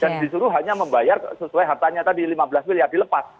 dan disuruh hanya membayar sesuai hartanya tadi lima belas miliar dilepas